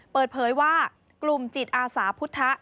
เปิดเผยว่ากลุ่มจิตอาสาพุทธ